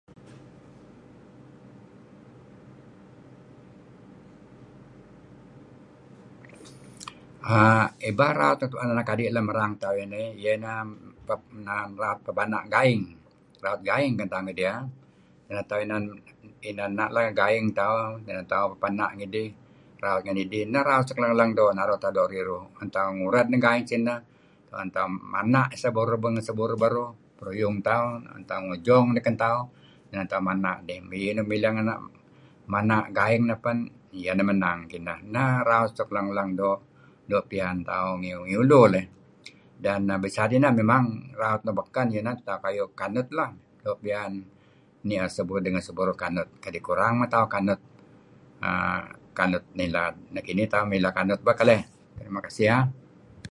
err Ibal raut nuk tu'en anak adi' lem erang tauh inih iyeh neh raut pepana' gaing. Raut gaing ken tauh ngidih ah. Tulu inan ena' tauh inan gaing tauh mey tauh pepana' ngidih, raut ngen idih, neh raut suk leng leng naru' tauh doo' riruh. Tu'en tauh ngured neh gaing sineh tue'n tauh mana' ngan sah burur ngan sah burur tu'en tauh ngejong dih kan tauh , 'an tauh mana', ye mana' gaing neh pen iyeh neh menang kinah. Neh raut suk lang-lang doo' piyan tauh ngi ulu leh, beside inah memang inan raut luk beken kayu' kanut lah doo' piyan ni'er seburur dengan seburur kanut kadi' kurang men tauh kanut err kanut ngilad . Nekinih tauh mileh kanut bah keleh. Terima kasih aah.